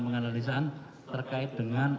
penganalisaan terkait dengan